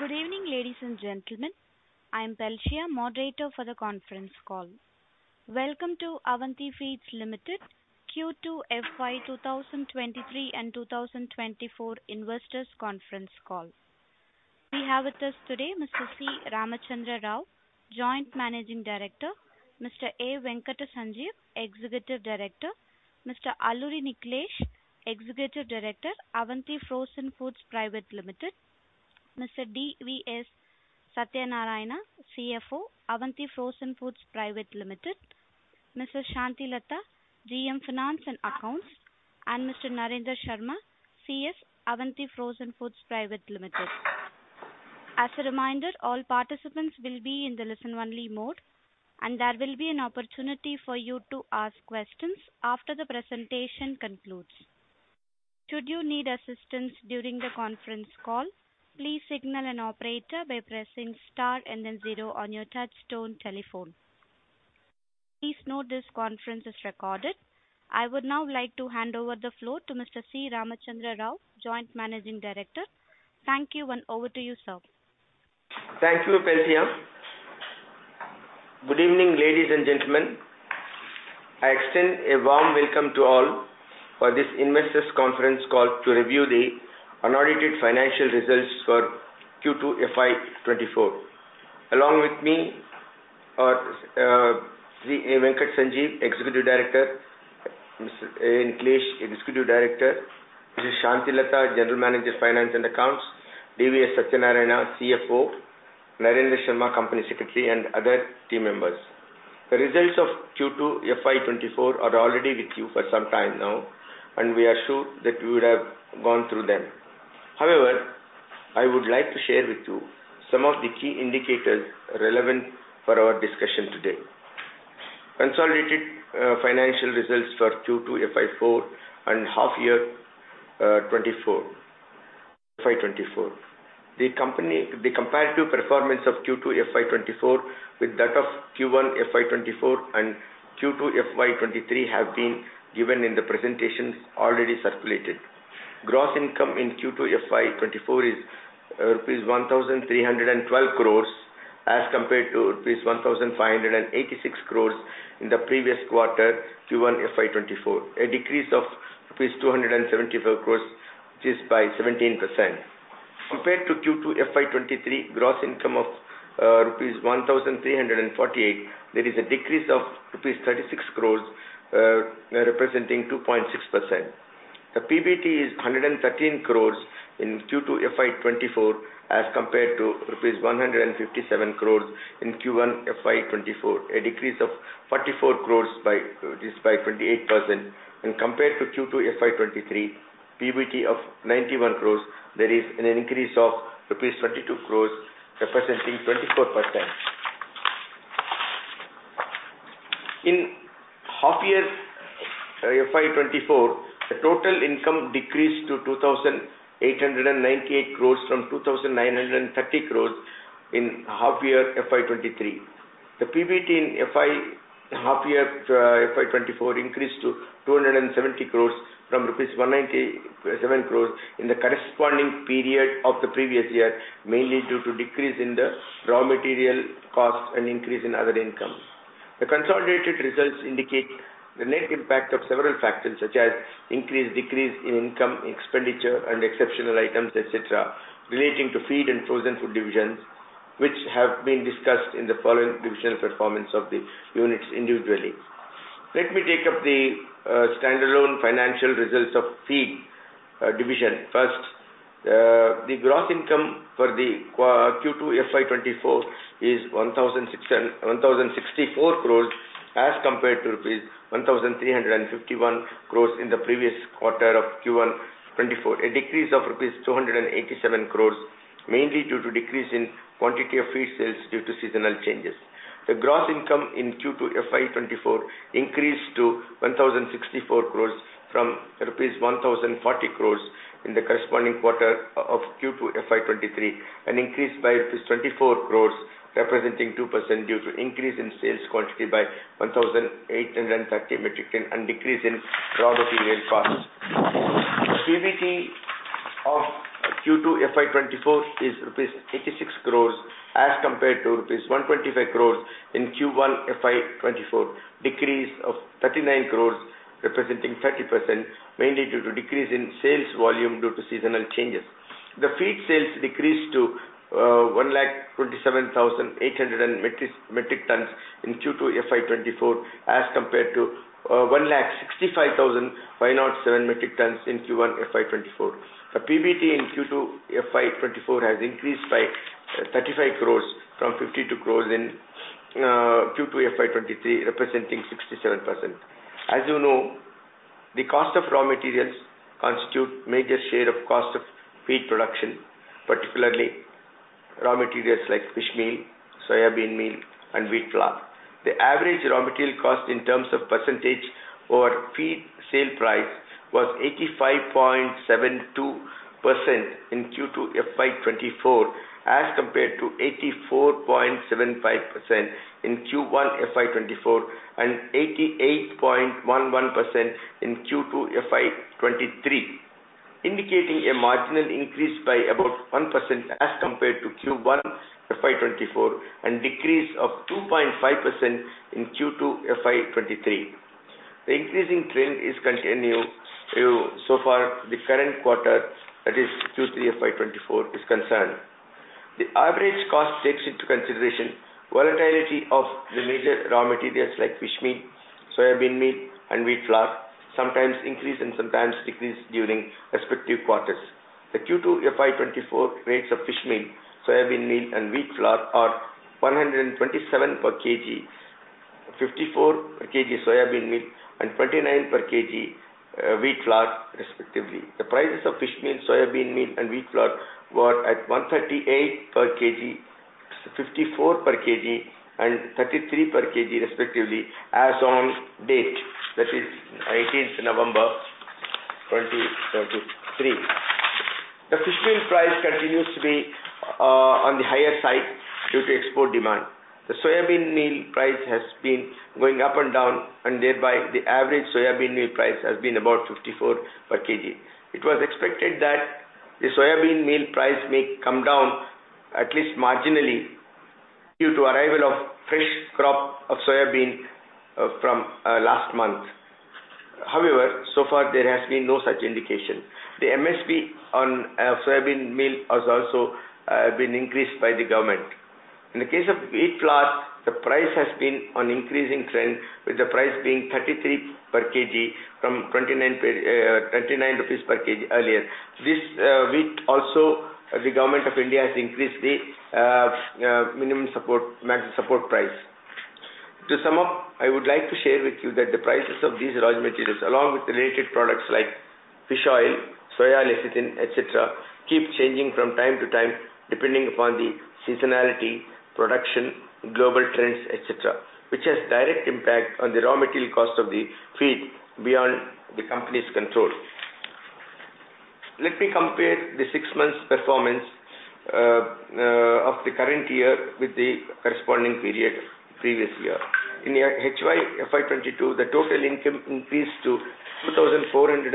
Good evening, ladies and gentlemen. I'm Belshia, moderator for the conference call. Welcome to Avanti Feeds Limited Q2 FY 2023 and 2024 investors' conference call. We have with us today Mr. C. Ramachandra Rao, Joint Managing Director; Mr. A. Venkata Sanjeev, Executive Director; Mr. Alluri Nikhilesh, Executive Director, Avanti Frozen Foods Pvt Ltd; Mr. D. V. S. Satyanarayana, CFO, Avanti Frozen Foods Pvt Ltd; Mrs. C. Santhilatha, GM Finance and Accounts; and Mr. Narendra Sharma, CS, Avanti Frozen Foods Pvt Ltd. As a reminder, all participants will be in the listen-only mode, and there will be an opportunity for you to ask questions after the presentation concludes. Should you need assistance during the conference call, please signal an operator by pressing star and then zero on your touch-tone telephone. Please note this conference is recorded. I would now like to hand over the floor to Mr. C. Ramachandra Rao, Joint Managing Director. Thank you, and over to you, sir. Thank you, Belshia. Good evening, ladies and gentlemen. I extend a warm welcome to all for this investors' conference call to review the unaudited financial results for Q2 FY 2024. Along with me are Mr. A. Venkata Sanjeev, Executive Director; Mr. Alluri Nikhilesh, Executive Director; Mrs. C. Santhilatha, General Manager Finance and Accounts; D.V.S. Satyanarayana, CFO; Narendra Sharma, Company Secretary; and other team members. The results of Q2 FY 2024 are already with you for some time now, and we are sure that we would have gone through them. However, I would like to share with you some of the key indicators relevant for our discussion today: consolidated financial results for Q2 FY 2024 and half-year 2024. The comparative performance of Q2 FY 2024 with that of Q1 FY 2024 and Q2 FY 2023 have been given in the presentations already circulated. Gross income in Q2 FY 2024 is rupees 1,312 crores as compared to rupees 1,586 crores in the previous quarter, Q1 FY 2024, a decrease of rupees 274 crores by 17%. Compared to Q2 FY 2023, gross income of rupees 1,348 crores is a decrease of rupees 36 crores, representing 2.6%. PBT is 113 crores in Q2 FY 2024 as compared to rupees 157 crores in Q1 FY 2024, a decrease of 44 crores by 28%. Compared to Q2 FY 2023, PBT of 91 crores rupees, there is an increase of rupees 22 crores, representing 24%. In half-year FY 2024, the total income decreased to 2,898 crores from 2,930 crores in half-year FY 2023. The PBT in half-year FY 2024 increased to 270 crores from INR. 197 crores in the corresponding period of the previous year, mainly due to a decrease in the raw material cost and an increase in other income. The consolidated results indicate the net impact of several factors such as increase, decrease in income, expenditure, and exceptional items, etc., relating to feed and frozen food divisions, which have been discussed in the following divisional performance of the units individually. Let me take up the standalone financial results of feed division. First, the gross income for Q2 FY 2024 is 1,064 crores as compared to rupees 1,351 crores in the previous quarter of Q1 2024, a decrease of rupees 287 crores, mainly due to a decrease in the quantity of feed sales due to seasonal changes. The gross income in Q2 FY 2024 increased to 1,064 crores from INR. 1,040 crores in the corresponding quarter of Q2 FY 2023, an increase by rupees 24 crores, representing 2% due to an increase in sales quantity by 1,830 metric tons and a decrease in raw material costs. PBT of Q2 FY 2024 is rupees 86 crores as compared to rupees 125 crores in Q1 FY 2024, a decrease of 39 crores, representing 30%, mainly due to a decrease in sales volume due to seasonal changes. The feed sales decreased to 127,800 metric tons in Q2 FY 2024 as compared to 165,507 metric tons in Q1 FY 2024. The PBT in Q2 FY 2024 has increased by 35 crores from 52 crores in Q2 FY 2023, representing 67%. As you know, the cost of raw materials constitutes a major share of the cost of feed production, particularly raw materials like fish meal, soybean meal, and wheat flour. The average raw material cost in terms of percentage over feed sale price was 85.72% in Q2 FY 2024 as compared to 84.75% in Q1 FY 2024 and 88.11% in Q2 FY 2023, indicating a marginal increase by about 1% as compared to Q1 FY 2024 and a decrease of 2.5% in Q2 FY 2023. The increasing trend is continuing so far in the current quarter, that is, Q3 FY 2024, is concerned. The average cost takes into consideration the volatility of the major raw materials like fish meal, soybean meal, and wheat flour, sometimes increasing and sometimes decreasing during respective quarters. The Q2 FY 2024 rates of fish meal, soybean meal, and wheat flour are 127 per kg, 54 per kg soybean meal, and 29 per kg wheat flour, respectively. The prices of fish meal, soybean meal, and wheat flour were at 138 per kg, 54 per kg, and 33 per kg, respectively, as of date, that is, 18 November 2023. The fish meal price continues to be on the higher side due to export demand. The soybean meal price has been going up and down, and thereby the average soybean meal price has been about 54 per kg. It was expected that the soybean meal price may come down, at least marginally, due to the arrival of fresh crops of soybean from last month. However, so far, there has been no such indication. The MSP on soybean meal has also been increased by the government. In the case of wheat flour, the price has been on an increasing trend, with the price being 33 per kg from 29 rupees per kg earlier. This wheat also, the Government of India has increased the minimum support price. To sum up, I would like to share with you that the prices of these raw materials, along with related products like fish oil, soy oil, lecithin, etc., keep changing from time to time depending upon the seasonality, production, global trends, etc., which has a direct impact on the raw material cost of the feed beyond the company's control. Let me compare the six months' performance of the current year with the corresponding period previous year. In HY FY 2022, the total income increased to 2,415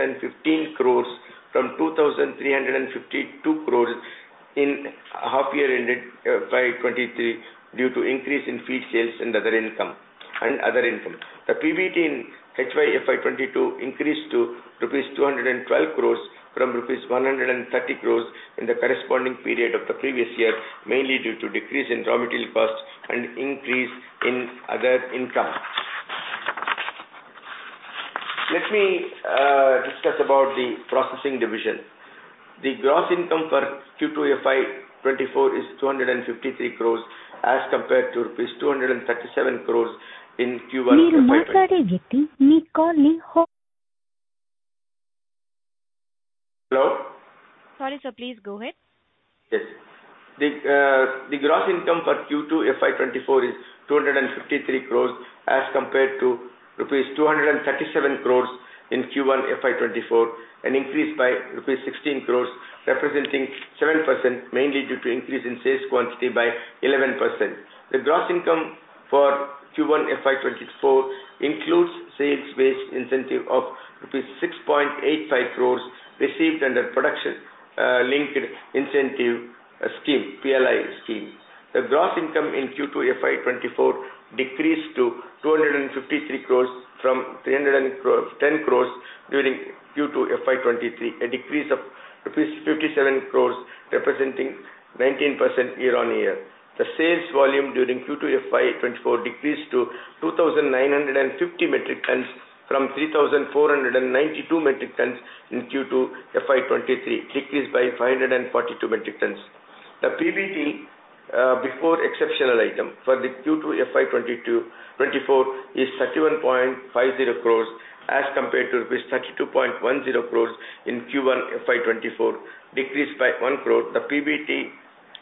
crores from 2,352 crores in half-year FY 2023 due to an increase in feed sales and other income. The PBT in HY FY 2022 increased to rupees 212 crores from rupees 130 crores in the corresponding period of the previous year, mainly due to a decrease in raw material costs and an increase in other income. Let me discuss about the processing division. The gross income for Q2 FY 2024 is 253 crores as compared to rupees 237 crores in Q1 2024. ನೀರು ಮಾತಾಡೇ ಗಿಟ್ಟಿ, ನೀ ಕಾಲ್‌ನೀ ಹೋಪ್... Hello? Sorry, sir, please go ahead. Yes. The gross income for Q2 FY 2024 is 253 crore as compared to rupees 237 crore in Q1 FY 2024, an increase by rupees 16 crore, representing 7%, mainly due to an increase in sales quantity by 11%. The gross income for Q1 FY 2024 includes sales-based incentive of rupees 6.85 crore received under the Production Linked Incentive Scheme, PLI scheme. The gross income in Q2 FY 2024 decreased to 253 crore from 310 crore during Q2 FY 2023, a decrease of rupees 57 crore, representing 19% year-on-year. The sales volume during Q2 FY 2024 decreased to 2,950 metric tons from 3,492 metric tons in Q2 FY 2023, a decrease by 542 metric tons. The PBT before exceptional items for Q2 FY 2024 is 31.50 crore as compared to rupees 32.10 crore in Q1 FY 2024, a decrease by 1 crore. The PBT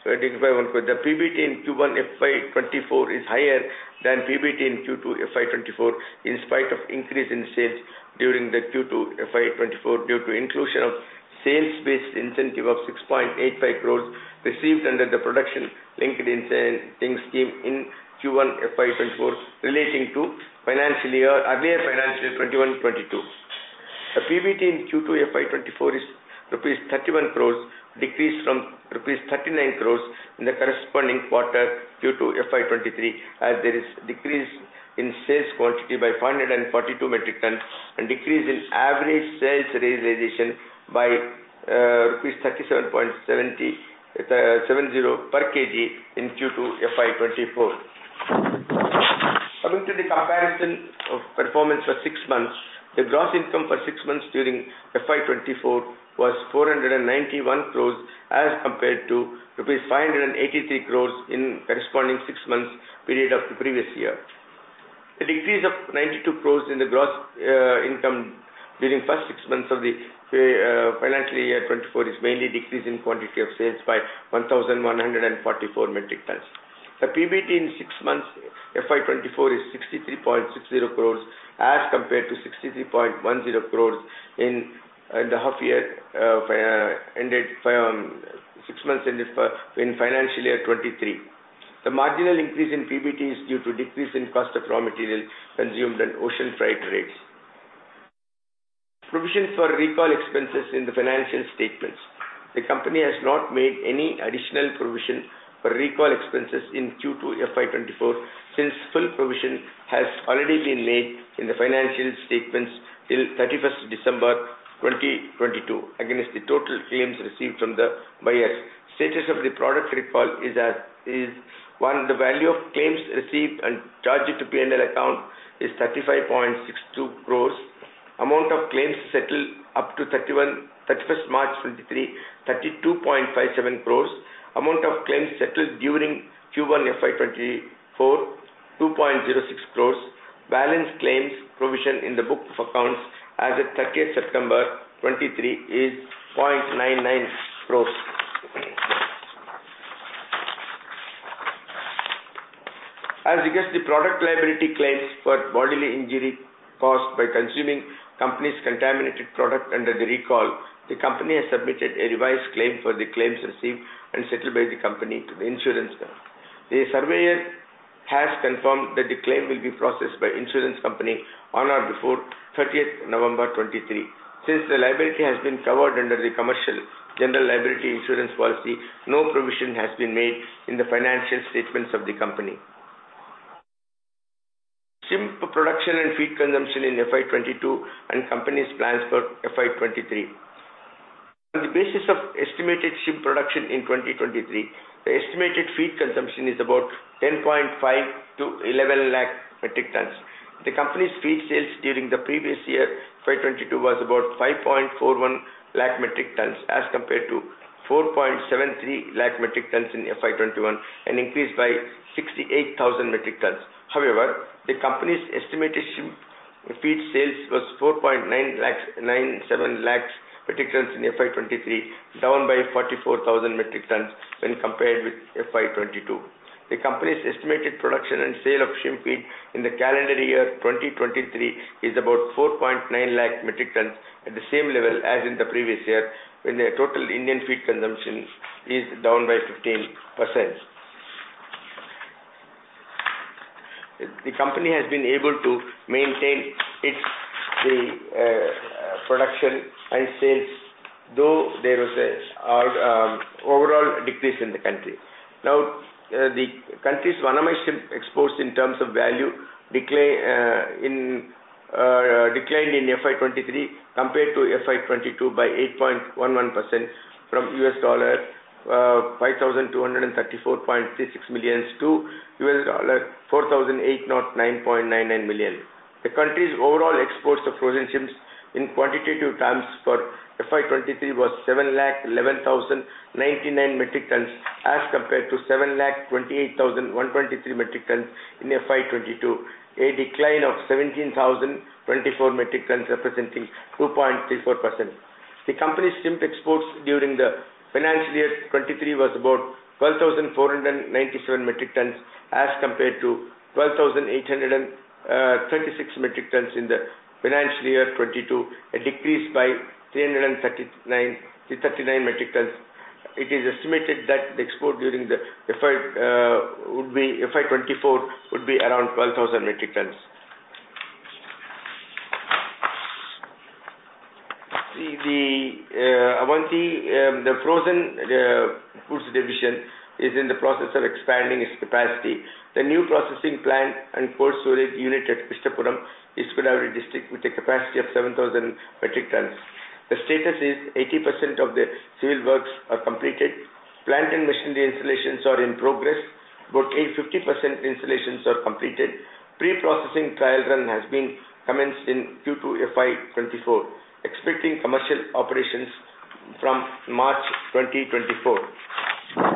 in Q1 FY 2024 is higher than the PBT in Q2 FY 2024, in spite of an increase in sales during Q2 FY 2024 due to the inclusion of a sales-based incentive of 6.85 crores received under the Production Linked Incentive in Q1 FY 2024, relating to earlier financial year 2021-2022. The PBT in Q2 FY 2024 is rupees 31 crores, a decrease from rupees 39 crores in the corresponding quarter Q2 FY 2023, as there is a decrease in sales quantity by 542 metric tons and a decrease in average sales realization by rupees 37.70 per kg in Q2 FY 2024. Coming to the comparison of performance for six months, the gross income for six months during FY 2024 was 491 crores as compared to rupees 583 crores in the corresponding six-month period of the previous year. The decrease of 92 crores in the gross income during the first six months of the financial year 2024 is mainly a decrease in the quantity of sales by 1,144 metric tons. The PBT in six months FY 2024 is 63.60 crores as compared to 63.10 crores in the half-year ended six months in financial year 2023. The marginal increase in PBT is due to a decrease in the cost of raw materials consumed and ocean freight rates. Provisions for recall expenses in the financial statements: The company has not made any additional provision for recall expenses in Q2 FY 2024 since full provision has already been made in the financial statements till 31 December 2022, against the total claims received from the buyers. The status of the product recall is as is: One. The value of claims received and charged to the P&L account is 35.62 crores. Amount of claims settled up to 31 March 2023: 32.57 crores. Amount of claims settled during Q1 FY 2024: 2.06 crores. Balance claims provision in the book of accounts as of 30 September 2023 is INR 0.99 crores. As regards to the product liability claims for bodily injury caused by consuming the company's contaminated product under the recall, the company has submitted a revised claim for the claims received and settled by the company to the insurance company. The surveyor has confirmed that the claim will be processed by the insurance company on or before 30 November 2023. Since the liability has been covered under the Commercial General Liability Insurance policy, no provision has been made in the financial statements of the company. Shrimp production and feed consumption in FY 2022 and the company's plans for FY 2023: On the basis of estimated shrimp production in 2023, the estimated feed consumption is about 10.5-11 lakh metric tons. The company's feed sales during the previous year, FY 2022, were about 5.41 lakh metric tons as compared to 4.73 lakh metric tons in FY 2021, an increase by 68,000 metric tons. However, the company's estimated shrimp feed sales were 4.97 lakh metric tons in FY 2023, down by 44,000 metric tons when compared with FY 2022. The company's estimated production and sale of shrimp feed in the calendar year 2023 is about 4.9 lakh metric tons, at the same level as in the previous year, when the total Indian feed consumption is down by 15%. The company has been able to maintain its production and sales, though there was an overall decrease in the country. Now, the country's vannamei shrimp exports in terms of value declined in FY 2023 compared to FY 2022 by 8.11% from $5,234.36 million to $4,008.99 million. The country's overall exports of frozen shrimp in quantitative terms for FY 2023 were 711,099 metric tons as compared to 728,123 metric tons in FY 2022, a decline of 17,024 metric tons, representing 2.34%. The company's shrimp exports during the financial year 2023 were about 12,497 metric tons as compared to 12,836 metric tons in the financial year 2022, a decrease by 339 metric tons. It is estimated that the export during FY 2024 would be around 12,000 metric tons. The frozen foods division is in the process of expanding its capacity. The new processing plant and cold storage unit at Krishnapuram is in the East Godavari District, with a capacity of 7,000 metric tons. The status is 80% of the civil works are completed. Plant and machinery installations are in progress. About 50% of the installations are completed. Pre-processing trial run has commenced in Q2 FY 2024, expecting commercial operations from March 2024.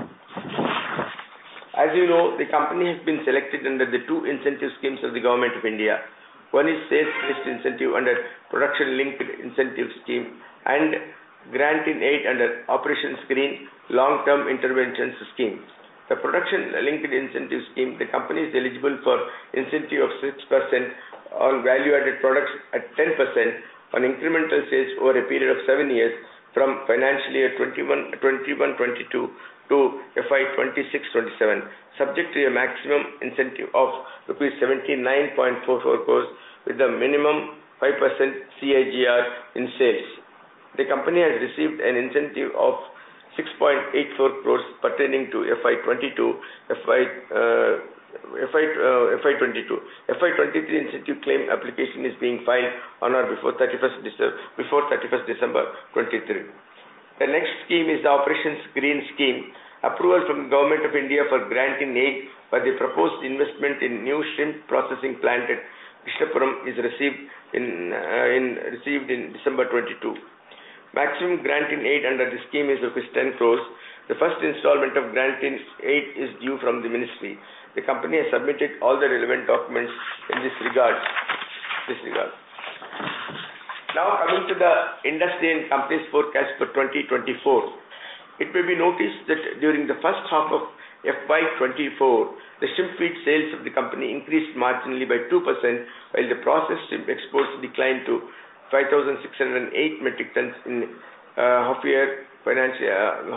As you know, the company has been selected under the two incentive schemes of the Government of India. One is the Sales-Based Incentive under the Production Linked Incentive scheme, and the Grant-in-Aid under the Operation Greens Long-Term Interventions Scheme. The Production Linked Incentive Scheme, the company is eligible for an incentive of 6% on value-added products at 10% on incremental sales over a period of seven years from financial year 2021-2022 to FY 2026-2027, subject to a maximum incentive of INR. 79.44 crores, with a minimum of 5% CAGR in sales. The company has received an incentive of 6.84 crores pertaining to FY 2022. The FY 2023 incentive claim application is being filed on or before 31 December 2023. The next scheme is the Operation Greens. Approval from the Government of India for Grant-in-Aid for the proposed investment in a new shrimp processing plant at Krishnapuram is received in December 2022. The maximum Grant-in-Aid under this scheme is 10 crores. The first installment of Grant-in-Aid is due from the Ministry. The company has submitted all the relevant documents in this regard. Now, coming to the industry and company's forecast for 2024, it may be noticed that during the first half of FY 2024, the shrimp feed sales of the company increased marginally by 2%, while the processed shrimp exports declined to 5,608 metric tons in half-year FY 2024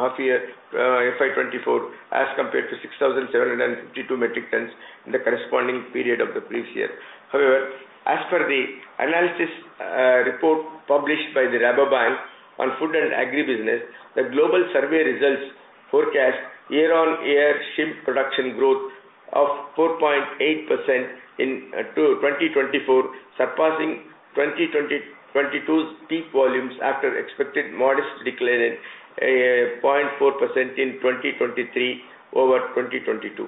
as compared to 6,752 metric tons in the corresponding period of the previous year. However, as per the analysis report published by the Rabobank on Food and Agribusiness, the global survey results forecast year-on-year shrimp production growth of 4.8% in 2024, surpassing 2022's peak volumes after an expected modest decline of 0.4% in 2023 over 2022.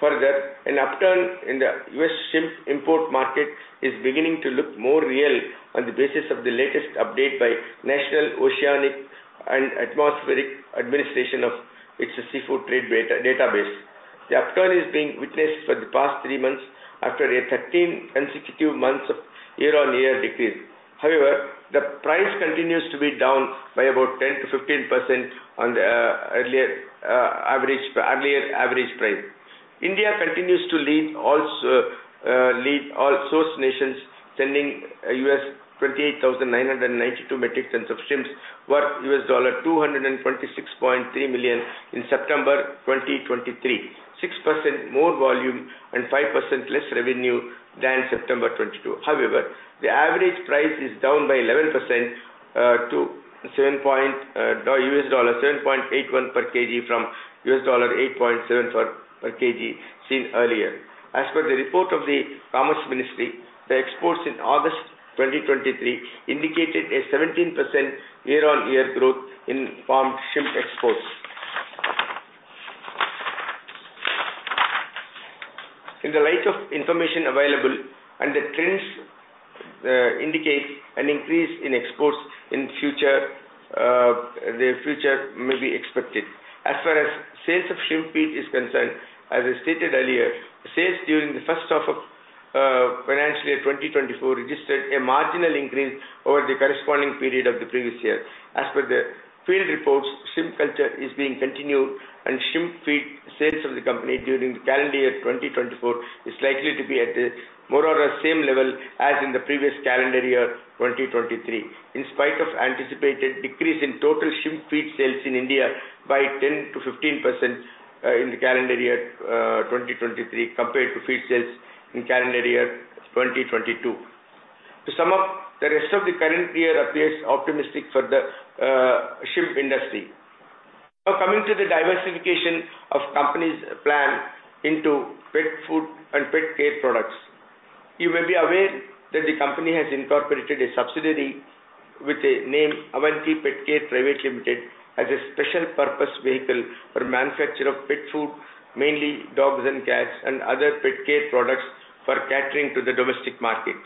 Further, an upturn in the U.S. shrimp import market is beginning to look more real on the basis of the latest update by the National Oceanic and Atmospheric Administration of its seafood trade database. The upturn is being witnessed for the past three months after a 13 consecutive months of year-on-year decrease. However, the price continues to be down by about 10%-15% on the earlier average price. India continues to lead all source nations, sending U.S. 28,992 metric tons of shrimp worth $226.3 million in September 2023, 6% more volume and 5% less revenue than September 2022. However, the average price is down by 11% to $7.81 per kg from $8.74 per kg seen earlier. As per the report of the Commerce Ministry, the exports in August 2023 indicated a 17% year-on-year growth in farmed shrimp exports. In the light of the information available and the trends, it indicates an increase in exports in the future that may be expected. As far as sales of shrimp feed are concerned, as I stated earlier, sales during the first half of financial year 2024 registered a marginal increase over the corresponding period of the previous year. As per the field reports, shrimp culture is being continued, and shrimp feed sales of the company during the calendar year 2024 are likely to be at more or less the same level as in the previous calendar year 2023, in spite of the anticipated decrease in total shrimp feed sales in India by 10%-15% in the calendar year 2023 compared to feed sales in the calendar year 2022. To sum up, the rest of the current year appears optimistic for the shrimp industry. Now, coming to the diversification of the company's plan into pet food and pet care products, you may be aware that the company has incorporated a subsidiary with the name Avanti Pet Care Pvt Ltd as a special-purpose vehicle for the manufacture of pet food, mainly dogs and cats, and other pet care products for catering to the domestic market.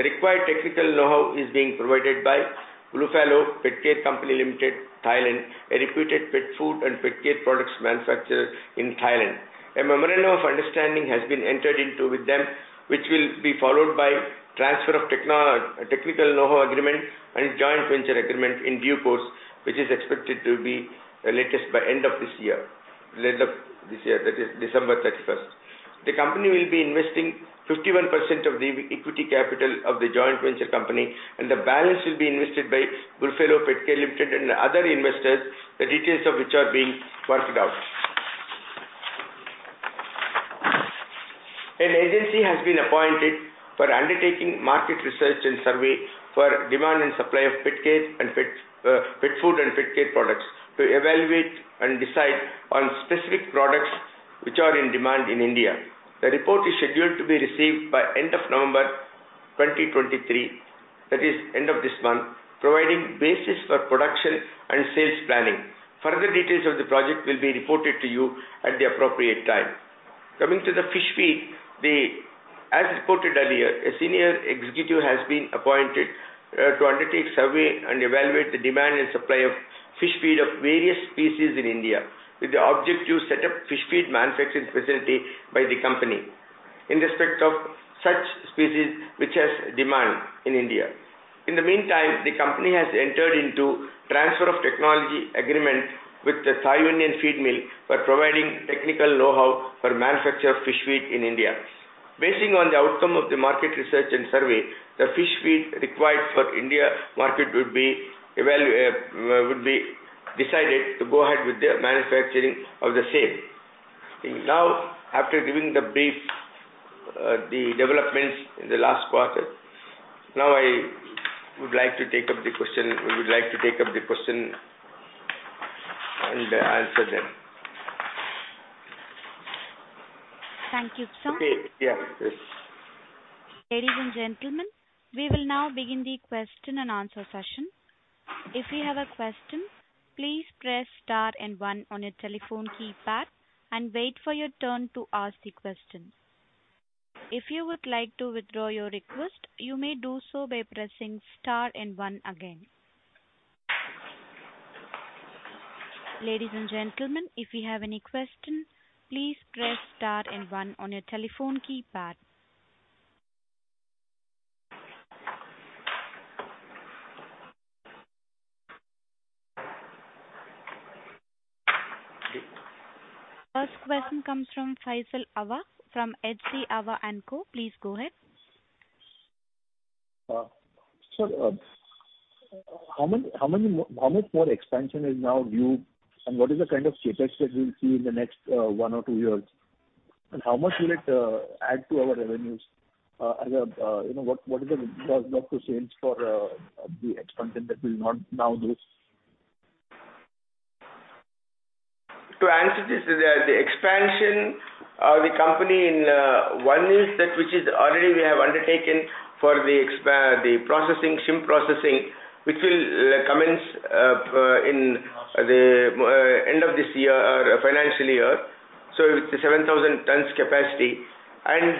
The required technical know-how is being provided by Bluefalo Petcare Co., Ltd., Thailand, a reputed pet food and pet care products manufacturer in Thailand. A memorandum of understanding has been entered into with them, which will be followed by the transfer of a technical know-how agreement and a joint venture agreement in due course, which is expected to be the latest by the end of this year, end of this year, that is, December 31. The company will be investing 51% of the equity capital of the joint venture company, and the balance will be invested by Bluefalo Petcare Co., Ltd. and the other investors, the details of which are being worked out. An agency has been appointed for undertaking market research and survey for the demand and supply of pet food and pet care products to evaluate and decide on specific products which are in demand in India. The report is scheduled to be received by the end of November 2023, that is, the end of this month, providing a basis for production and sales planning. Further details of the project will be reported to you at the appropriate time. Coming to Fish Feed, as reported earlier, a senior executive has been appointed to undertake a survey and evaluate the demand and supply of fish feed of various species in India, with the objective to set up a fish feed manufacturing facility by the company in respect of such species which have demand in India. In the meantime, the company has entered into a transfer of technology agreement with the Thai Union Feedmill for providing technical know-how for the manufacture of fish feed in India. Basing on the outcome of the market research and survey, the fish feed required for the India market would be decided to go ahead with the manufacturing of the same. Now, after giving the brief developments in the last quarter, now I would like to take up the question. We would like to take up the question and answer them. Thank you, sir. Okay, yes. Ladies and gentlemen, we will now begin the question and answer session. If you have a question, please press star and one on your telephone keypad and wait for your turn to ask the question. If you would like to withdraw your request, you may do so by pressing star and one again. Ladies and gentlemen, if you have any question, please press star and one on your telephone keypad. Okay. The first question comes from Faisal Hawa from H.G. Hawa & Co. Please go ahead. How much more expansion is now due, and what is the kind of capex that we will see in the next one or two years? And how much will it add to our revenues? You know, what is the drop to sales for the expansion that we will now do? To answer this, the expansion, the company in one news that which is already we have undertaken for the shrimp processing, which will commence at the end of this year or financial year, so with the 7,000 tons capacity. And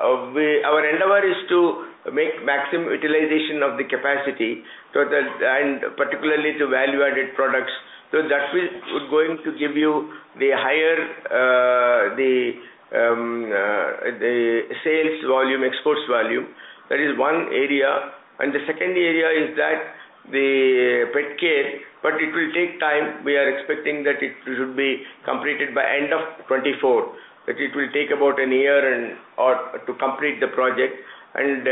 our end of our is to make maximum utilization of the capacity, and particularly the value-added products. So that is going to give you the higher sales volume, exports volume. That is one area. And the second area is that the Petcare, but it will take time. We are expecting that it should be completed by the end of 2024, that it will take about a year to complete the project. And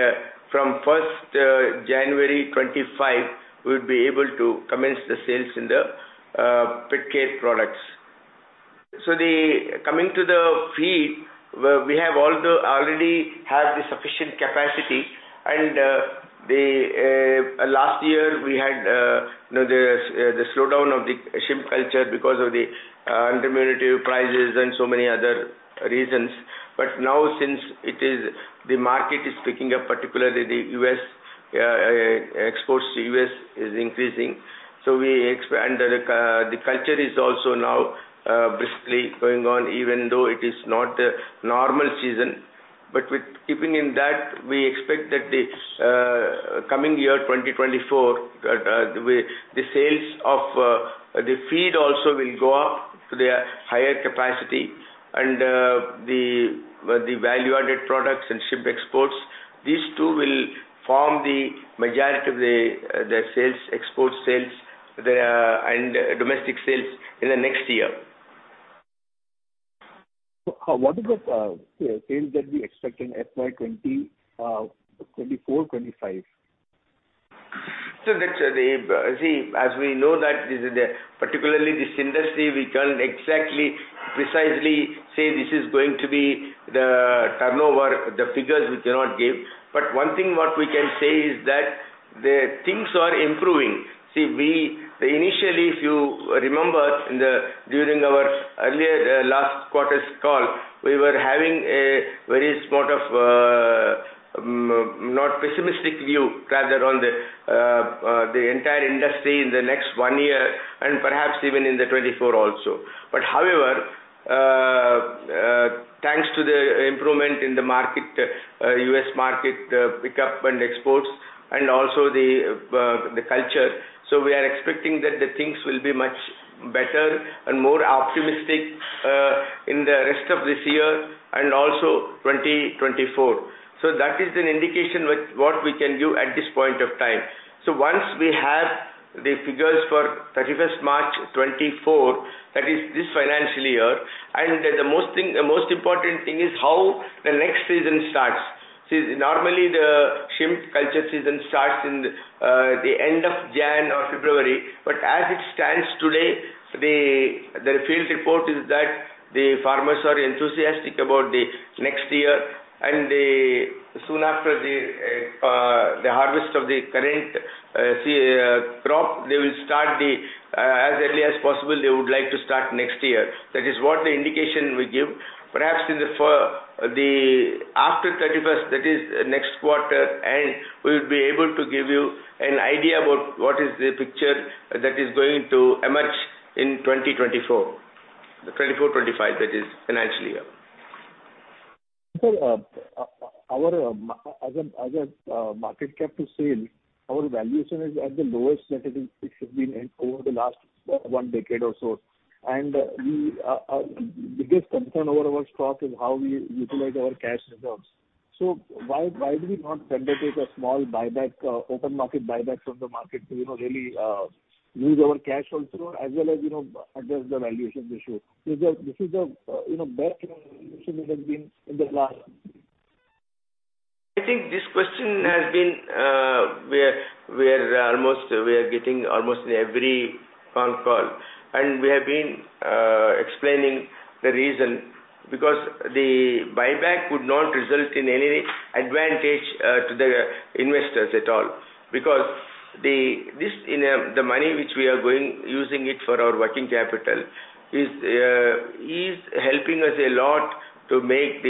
from 1st January 2025, we would be able to commence the sales in the Petcare products. So coming to the feed, we already have the sufficient capacity. Last year, we had the slowdown of the shrimp culture because of the unremunerative prices and so many other reasons. Now, since the market is picking up, particularly the U.S. exports to the U.S. are increasing. The culture is also now briskly going on, even though it is not the normal season. Keeping in that, we expect that coming year, 2024, the sales of the feed also will go up to the higher capacity. The value-added products and shrimp exports, these two will form the majority of the export sales and domestic sales in the next year. What is the trend that we are expecting FY 2024-2025? See, as we know that, particularly this industry, we can't exactly, precisely say this is going to be the turnover, the figures we cannot give. But one thing what we can say is that things are improving. See, initially, if you remember during our earlier last quarter's call, we were having a very sort of not pessimistic view, rather on the entire industry in the next one year, and perhaps even in 2024 also. But however, thanks to the improvement in the market, U.S. market pickup and exports, and also the culture, so we are expecting that things will be much better and more optimistic in the rest of this year and also 2024. So that is an indication what we can give at this point of time. So once we have the figures for 31st March 2024, that is this financial year, and the most important thing is how the next season starts. See, normally, the shrimp culture season starts at the end of January or February. But as it stands today, the field report is that the farmers are enthusiastic about the next year. And soon after the harvest of the current crop, they will start as early as possible. They would like to start next year. That is what the indication we give. Perhaps after 31st, that is the next quarter, we would be able to give you an idea about what is the picture that is going to emerge in 2024-2025, that is, financial year. Our market cap to sales, our valuation is at the lowest that it has been over the last one decade or so. Our biggest concern over our stock is how we utilize our cash reserves. So why do we not send a small open market buyback from the market to really use our cash also as well as adjust the valuation issue? This is the best decision we have been in the last. I think this question has been we are getting almost in every phone call. We have been explaining the reason because the buyback would not result in any advantage to the investors at all. Because the money which we are using for our working capital is helping us a lot to make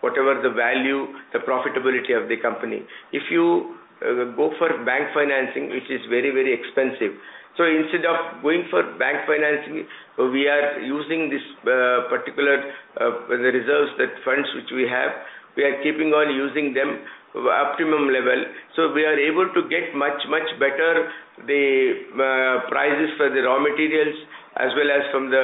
whatever the value, the profitability of the company. If you go for bank financing, which is very, very expensive, so instead of going for bank financing, we are using these particular reserves, the funds which we have, we are keeping on using them at the optimum level. We are able to get much, much better the prices for the raw materials as well as from the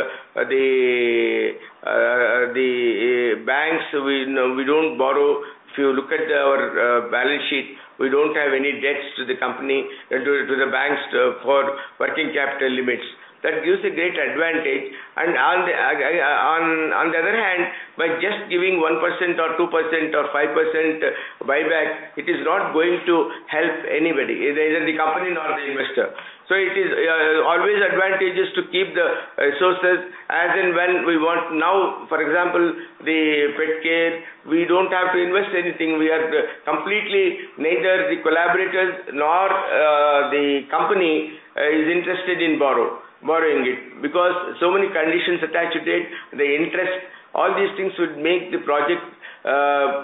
banks. We don't borrow. If you look at our balance sheet, we don't have any debts to the company, to the banks, for working capital limits. That gives a great advantage. On the other hand, by just giving 1% or 2% or 5% buyback, it is not going to help anybody, neither the company nor the investor. It is always an advantage to keep the resources as and when we want. Now, for example, the Petcare, we don't have to invest anything. Neither the collaborators nor the company is interested in borrowing it because so many conditions attach to it, the interest, all these things would make the project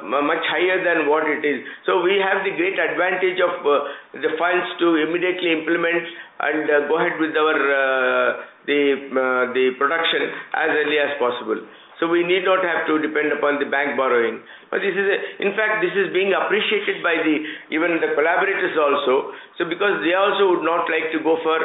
much higher than what it is. We have the great advantage of the funds to immediately implement and go ahead with the production as early as possible. We need not have to depend upon the bank borrowing. In fact, this is being appreciated by even the collaborators also. So because they also would not like to go for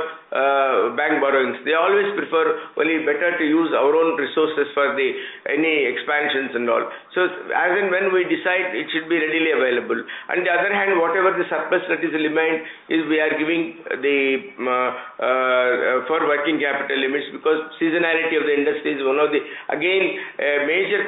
bank borrowings, they always prefer only better to use our own resources for any expansions and all. So as and when we decide, it should be readily available. On the other hand, whatever the surplus that is remaining is we are giving for working capital limits because seasonality of the industry is one of the, again, major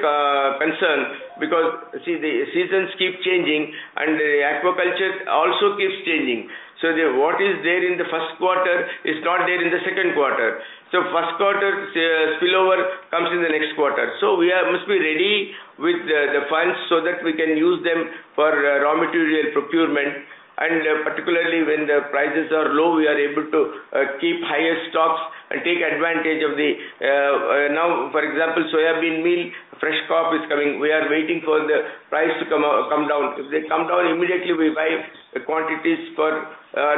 concerns because, see, the seasons keep changing and the aquaculture also keeps changing. So what is there in the first quarter is not there in the second quarter. So first quarter spillover comes in the next quarter. So we must be ready with the funds so that we can use them for raw material procurement. And particularly when the prices are low, we are able to keep higher stocks and take advantage of the now, for example, soybean meal, fresh crop is coming. We are waiting for the price to come down. If they come down immediately, we buy quantities for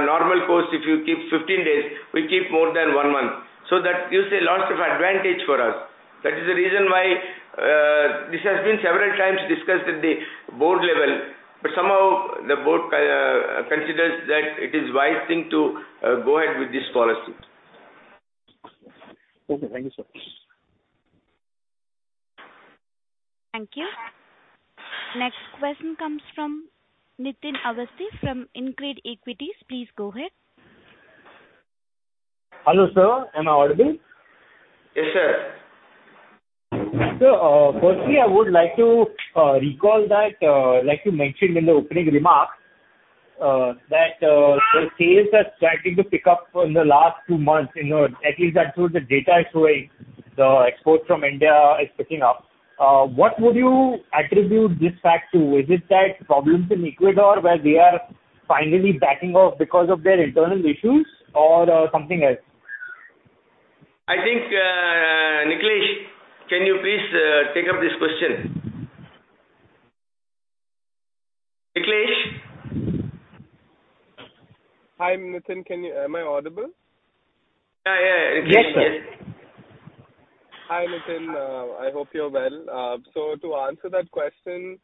normal cost. If you keep 15 days, we keep more than one month. So that gives a lot of advantage for us. That is the reason why this has been several times discussed at the board level. But somehow, the board considers that it is a wise thing to go ahead with this policy. Okay, thank you, sir. Thank you. Next question comes from Nitin Awasthi from InCred Equities. Please go ahead. Hello sir, am I audible? Yes sir. So firstly, I would like to recall that, like you mentioned in the opening remarks, that the sales are starting to pick up in the last two months. At least that's what the data is showing. The exports from India are picking up. What would you attribute this fact to? Is it that problems in Ecuador where they are finally backing off because of their internal issues or something else? I think, Nikhilesh, can you please take up this question? Nikhilesh? Hi Nitin, am I audible? Yeah, yeah. Yes, yes. Hi Nitin, I hope you're well. So to answer that question,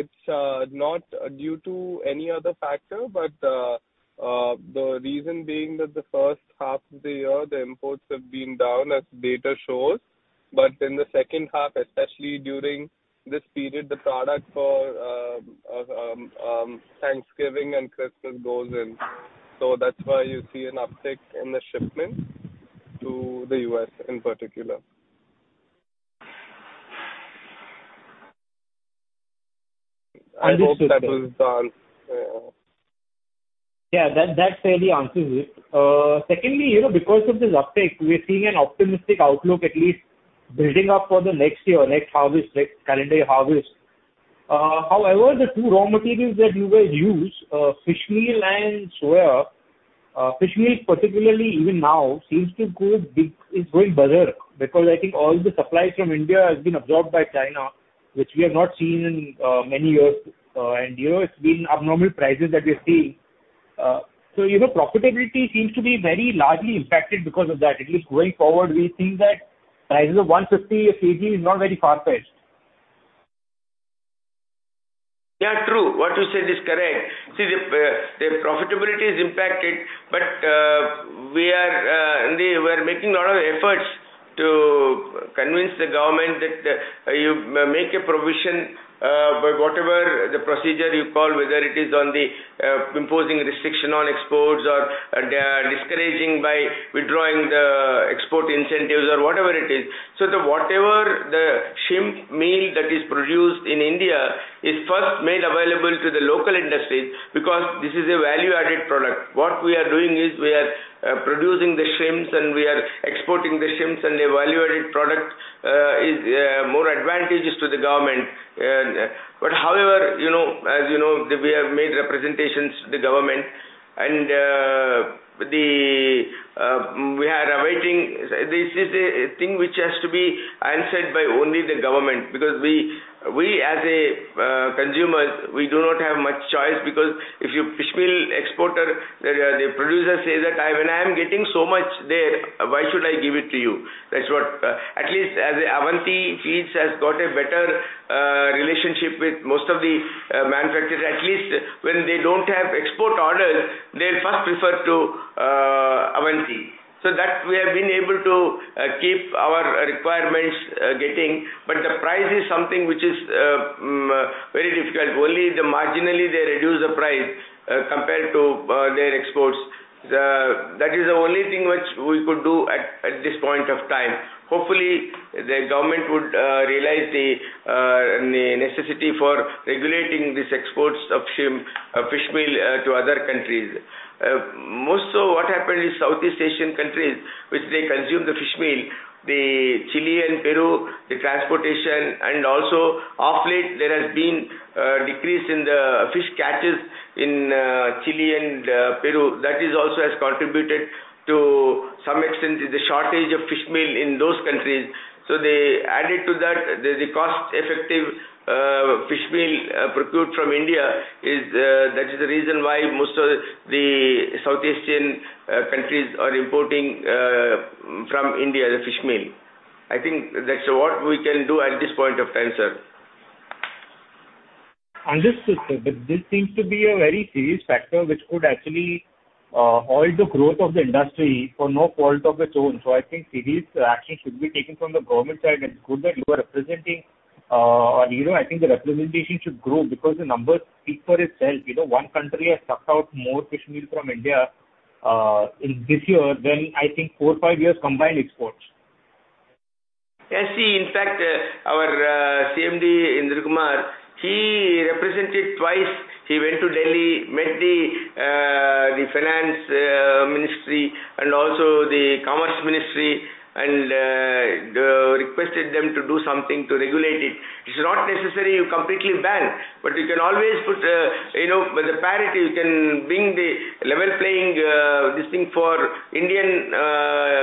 it's not due to any other factor, but the reason being that the first half of the year, the imports have been down as data shows. But in the second half, especially during this period, the product for Thanksgiving and Christmas goes in. So that's why you see an uptick in the shipments to the U.S. in particular. I hope that was done. Yeah, that fairly answers it. Secondly, because of this uptick, we are seeing an optimistic outlook, at least building up for the next year, next harvest, calendar year harvest. However, the two raw materials that you guys use, fish meal and soya, fish meal particularly, even now, seems to be going better because I think all the supplies from India have been absorbed by China, which we have not seen in many years. And it's been abnormal prices that we are seeing. So profitability seems to be very largely impacted because of that. At least going forward, we think that prices of 150 a kg are not very far-fetched. Yeah, true. What you said is correct. See, the profitability is impacted, but we are making a lot of efforts to convince the government that you make a provision by whatever the procedure you call, whether it is on the imposing restriction on exports or discouraging by withdrawing the export incentives or whatever it is. So the shrimp meal that is produced in India is first made available to the local industries because this is a value-added product. What we are doing is we are producing the shrimps and we are exporting the shrimps, and the value-added product is more advantageous to the government. But however, as you know, we have made representations to the government, and we are awaiting. This is a thing which has to be answered by only the government because we, as consumers, do not have much choice. Because if you're a fish meal exporter, the producer says that, "When I am getting so much there, why should I give it to you?" That's what at least Avanti Feeds has got a better relationship with most of the manufacturers. At least when they don't have export orders, they first prefer Avanti. So we have been able to keep our requirements getting. But the price is something which is very difficult. Only marginally, they reduce the price compared to their exports. That is the only thing which we could do at this point of time. Hopefully, the government would realize the necessity for regulating these exports of fish meal to other countries. Most of what happened is Southeast Asian countries, which they consume the fish meal, the Chile and Peru, the transportation, and also of late, there has been a decrease in the fish catches in Chile and Peru. That also has contributed to some extent to the shortage of fish meal in those countries. So added to that, the cost-effective fish meal procured from India, that is the reason why most of the Southeast Asian countries are importing from India the fish meal. I think that's what we can do at this point of time, sir. On this front, this seems to be a very serious factor which could actually hold the growth of the industry for no fault of its own. So I think the action should be taken from the government side. Good that you are representing. I think the representation should grow because the numbers speak for itself. One country has sucked out more fish meal from India this year than I think four or five years combined exports. Yeah, see, in fact, our CMD, A. Indra Kumar, he represented twice. He went to Delhi, met the Finance Ministry and also the Commerce Ministry, and requested them to do something to regulate it. It's not necessary you completely ban, but you can always put the parity. You can bring the level playing this thing for Indian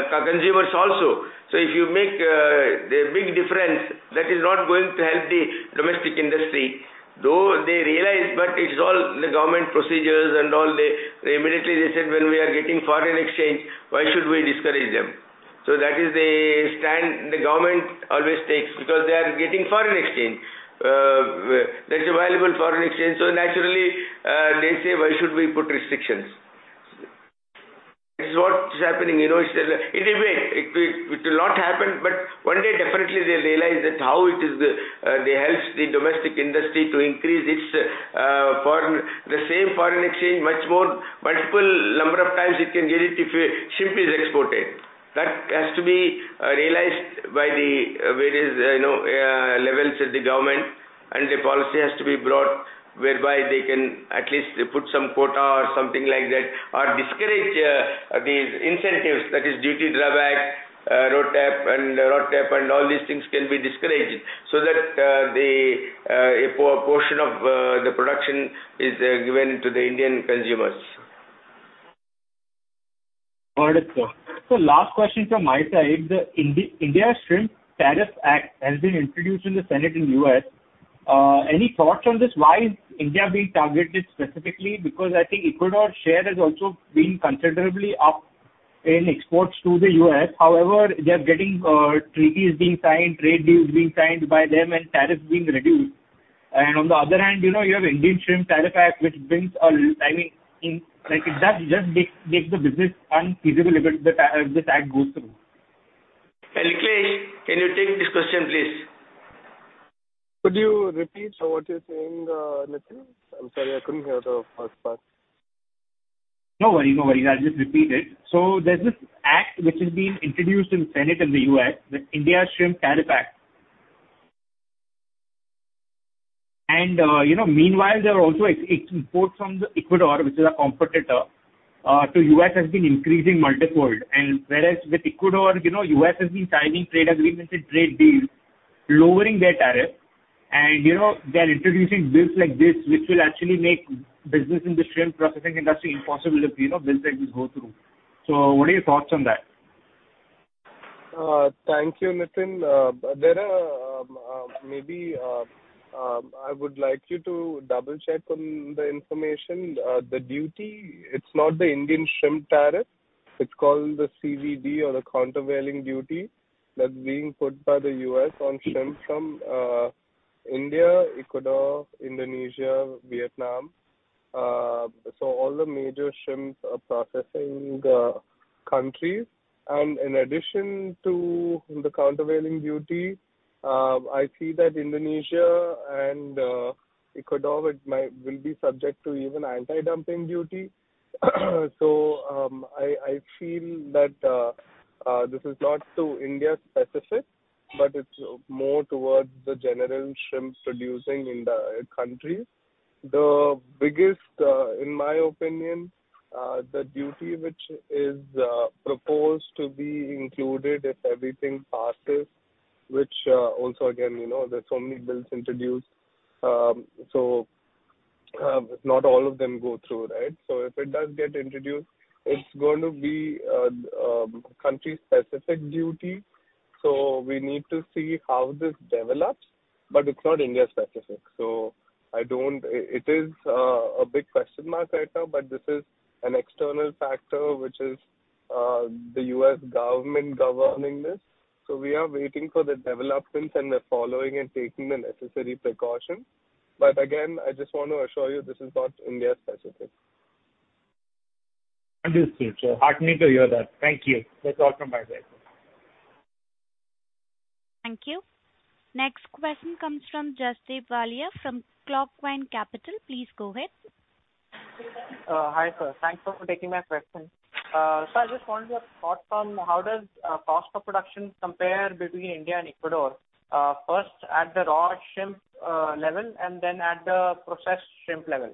consumers also. So if you make a big difference, that is not going to help the domestic industry. Though they realize, but it's all the government procedures and all the immediately they said when we are getting foreign exchange, why should we discourage them? So that is the stand the government always takes because they are getting foreign exchange. There's a valuable foreign exchange. So naturally, they say, why should we put restrictions? This is what is happening. In a way, it will not happen, but one day definitely they realize that how it helps the domestic industry to increase the same foreign exchange much more, multiple number of times it can get it if shrimp is exported. That has to be realized by the various levels at the government. The policy has to be brought whereby they can at least put some quota or something like that or discourage these incentives. That is duty drawback, RoDTEP, and all these things can be discouraged so that a portion of the production is given to the Indian consumers. All right, sir. So last question from my side. The India Shrimp Tariff Act has been introduced in the Senate in the U.S. Any thoughts on this? Why is India being targeted specifically? Because I think Ecuador's share has also been considerably up in exports to the U.S. However, they are getting treaties being signed, trade deals being signed by them, and tariffs being reduced. And on the other hand, you have Indian Shrimp Tariff Act, which brings a I mean, it just makes the business unfeasible if this act goes through. Nikhilesh, can you take this question, please? Could you repeat what you're saying, Nitin? I'm sorry, I couldn't hear the first part. No worries, no worries. I'll just repeat it. So there's this act which has been introduced in the Senate in the U.S., the India Shrimp Tariff Act. Meanwhile, there are also imports from Ecuador, which is a competitor to the U.S., that have been increasing multiplied. Whereas with Ecuador, the U.S. has been signing trade agreements and trade deals, lowering their tariffs. They are introducing bills like this, which will actually make business in the shrimp processing industry impossible if bills like this go through. So what are your thoughts on that? Thank you, Nitin. Maybe I would like you to double-check on the information. The duty, it's not the Indian Shrimp Tariff. It's called the CVD or the Countervailing Duty that's being put by the U.S. on shrimp from India, Ecuador, Indonesia, Vietnam. So all the major shrimp processing countries. And in addition to the Countervailing Duty, I see that Indonesia and Ecuador will be subject to even Anti-Dumping Duty. So I feel that this is not so India-specific, but it's more towards the general shrimp producing countries. In my opinion, the duty which is proposed to be included if everything passes, which also, again, there's so many bills introduced. So not all of them go through, right? So if it does get introduced, it's going to be a country-specific duty. So we need to see how this develops. But it's not India-specific. It is a big question mark right now, but this is an external factor which is the U.S. government governing this. We are waiting for the developments and we're following and taking the necessary precautions. Again, I just want to assure you this is not India-specific. Understood. So heartening to hear that. Thank you. That's all from my side. Thank you. Next question comes from Jasdeep Walia from Clockvine Capital. Please go ahead. Hi sir, thanks for taking my question. So I just want your thought from how does cost of production compare between India and Ecuador? First at the raw shrimp level and then at the processed shrimp level.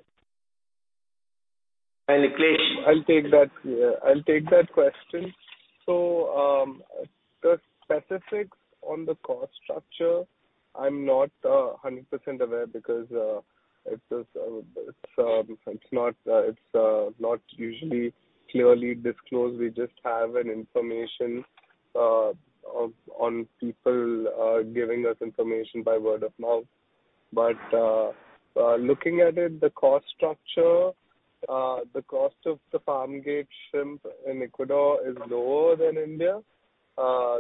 Nikhilesh, I'll take that question. So specifics on the cost structure, I'm not 100% aware because it's not usually clearly disclosed. We just have information on people giving us information by word of mouth. But looking at it, the cost structure, the cost of the farm gate shrimp in Ecuador is lower than India.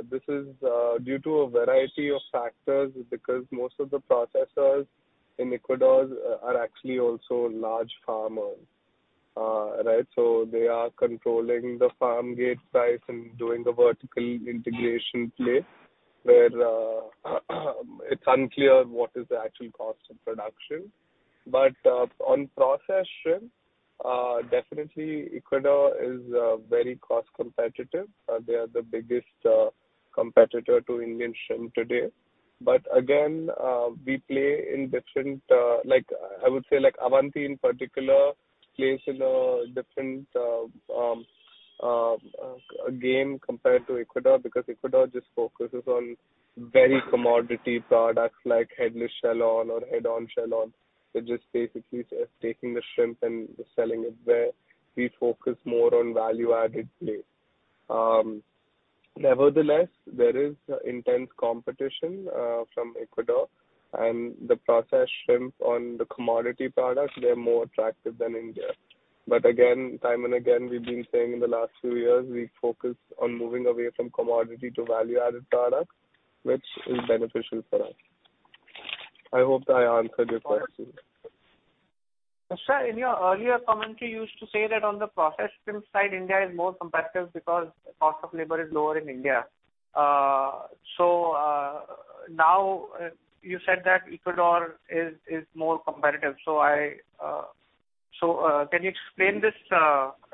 This is due to a variety of factors because most of the processors in Ecuador are actually also large farmers, right? So they are controlling the farm gate price and doing a vertical integration play where it's unclear what is the actual cost of production. But on processed shrimp, definitely Ecuador is very cost competitive. They are the biggest competitor to Indian shrimp today. But again, we play in different—I would say Avanti in particular plays in a different game compared to Ecuador because Ecuador just focuses on very commodity products like Headless Shell On or Head On Shell On. They're just basically taking the shrimp and selling it where we focus more on value-added play. Nevertheless, there is intense competition from Ecuador. And the processed shrimp on the commodity products, they are more attractive than India. But again, time and again, we've been saying in the last few years, we focus on moving away from commodity to value-added products, which is beneficial for us. I hope that I answered your question. Sir, in your earlier comment, you used to say that on the processed shrimp side, India is more competitive because the cost of labor is lower in India. So now you said that Ecuador is more competitive. So can you explain this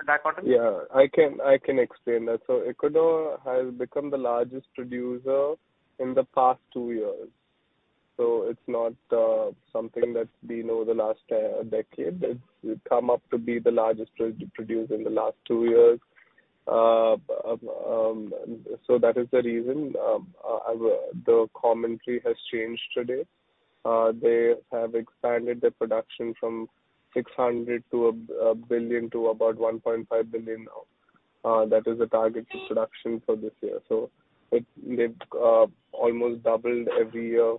dichotomy? Yeah, I can explain that. So Ecuador has become the largest producer in the past two years. So it's not something that we know the last decade. It's come up to be the largest producer in the last two years. So that is the reason the commentary has changed today. They have expanded their production from 600 million to 1 billion to about 1.5 billion now. That is the target production for this year. So they've almost doubled every year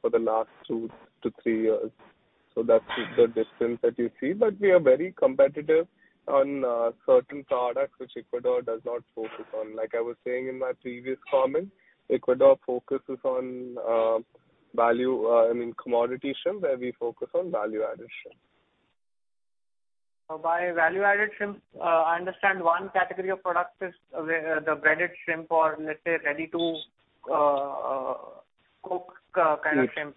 for the last two to three years. So that's the distance that you see. But we are very competitive on certain products which Ecuador does not focus on. Like I was saying in my previous comment, Ecuador focuses on value I mean, commodity shrimp where we focus on value-added shrimp. So by value-added shrimp, I understand one category of product is the breaded shrimp or, let's say, ready-to-cook kind of shrimp.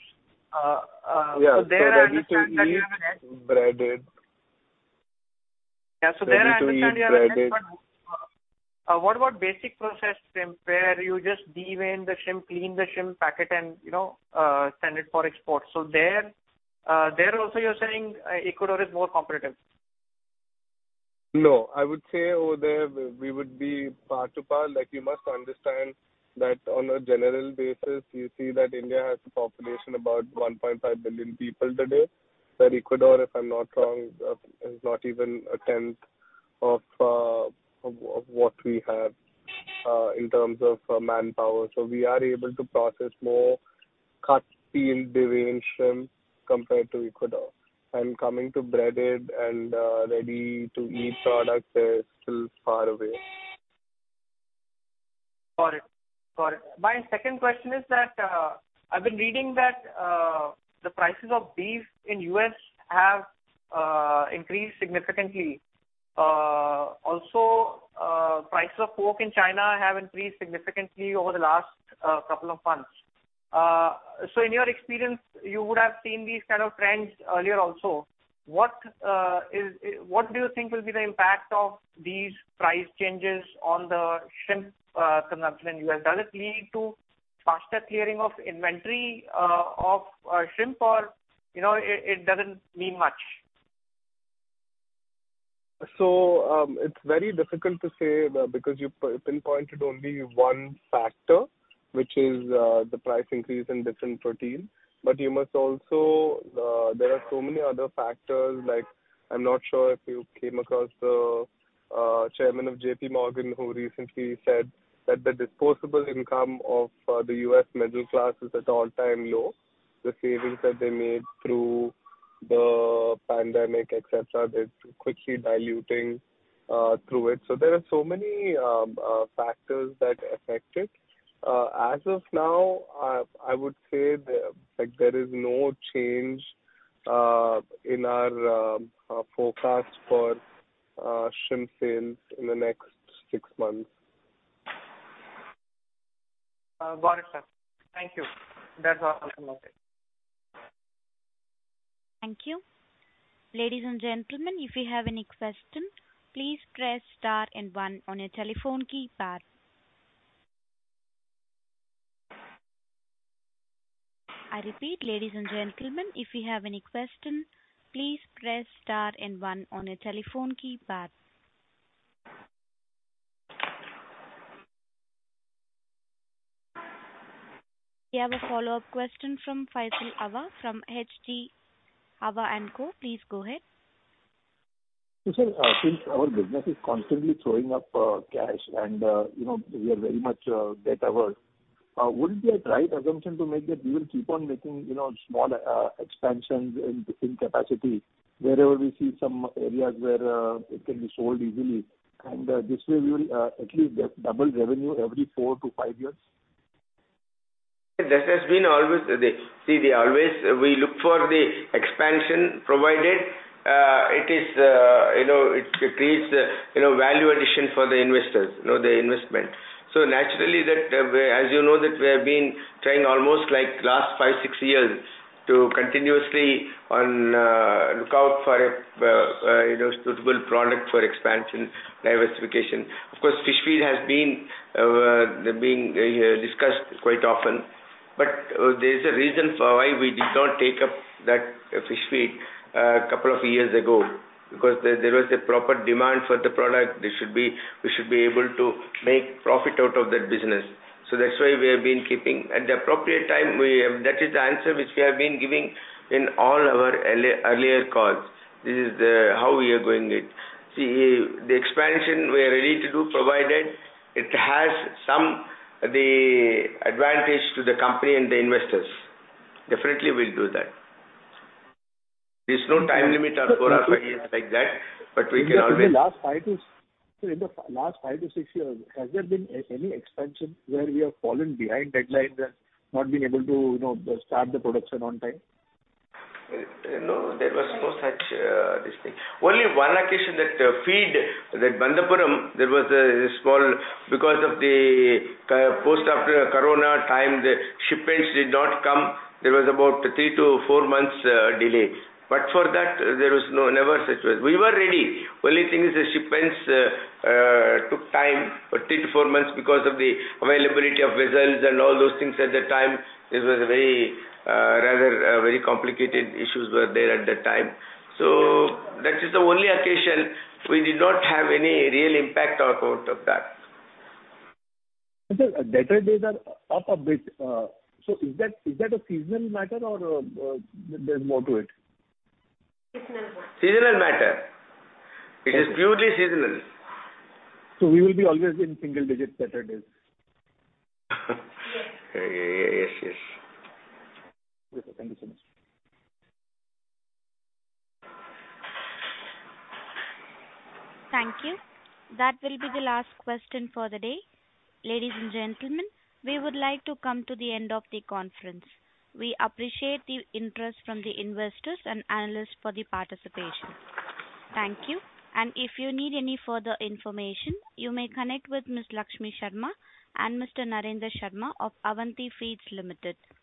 So there I understand you have a breaded. Yeah, so there I understand you have a breaded. But what about basic processed shrimp where you just devein the shrimp, clean the shrimp, pack it, and send it for export? So there also, you're saying Ecuador is more competitive. No, I would say over there, we would be part to part. We must understand that on a general basis, you see that India has a population of about 1.5 billion people today. That Ecuador, if I'm not wrong, is not even a tenth of what we have in terms of manpower. So we are able to process more cut, peeled, deveined shrimp compared to Ecuador. And coming to breaded and ready-to-eat products, they're still far away. Got it. Got it. My second question is that I've been reading that the prices of beef in the U.S. have increased significantly. Also, prices of pork in China have increased significantly over the last couple of months. So in your experience, you would have seen these kind of trends earlier also. What do you think will be the impact of these price changes on the shrimp consumption in the U.S.? Does it lead to faster clearing of inventory of shrimp or it doesn't mean much? So it's very difficult to say because you pinpointed only one factor, which is the price increase in different protein. But you must also there are so many other factors. I'm not sure if you came across the chairman of JPMorgan who recently said that the disposable income of the U.S. middle class is at all-time low. The savings that they made through the pandemic, etc., they're quickly diluting through it. So there are so many factors that affect it. As of now, I would say there is no change in our forecast for shrimp sales in the next six months. Got it, sir. Thank you. That's our ultimate statement. Thank you. Ladies and gentlemen, if you have any question, please press star and one on your telephone keypad. I repeat, ladies and gentlemen, if you have any question, please press star and one on your telephone keypad. We have a follow-up question from Faisal Hawa from H.G. Hawa & Co. Please go ahead. Yes, our business is constantly throwing up cash and we are very much debt averse. Wouldn't be a right assumption to make that we will keep on making small expansions in capacity wherever we see some areas where it can be sold easily? This way, we will at least double revenue every 4-5 years. This has been always the way we look for the expansion provided. It creates value addition for the investors, the investment. So naturally, as you know, we have been trying almost like last five, six years to continuously look out for a suitable product for expansion, diversification. Of course, fish feed has been discussed quite often. But there is a reason why we did not take up that fish feed a couple of years ago because there was a proper demand for the product. We should be able to make profit out of that business. So that's why we have been keeping at the appropriate time. That is the answer which we have been giving in all our earlier calls. This is how we are going it. See, the expansion we are ready to do provided, it has some advantage to the company and the investors. Definitely will do that. There is no time limit for us like that, but we can always. In the last 5-6 years, has there been any expansion where we have fallen behind deadlines and not been able to start the production on time? No, there was no such thing. Only one occasion that feed that Bandapuram, there was a small because of the post-Corona time, the shipments did not come. There was about 3-4 months delay. But for that, there was never such a situation. We were ready. The only thing is the shipments took time, 3-4 months because of the availability of vessels and all those things at the time. It was rather very complicated issues were there at the time. So that is the only occasion we did not have any real impact on account of that. Debtor days are up a bit. So is that a seasonal matter or there's more to it? Seasonal matter. Seasonal matter. It is purely seasonal. We will be always in single-digit debtor days. Yes. Yes, yes. Thank you. That will be